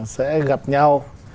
sẽ gặp nhau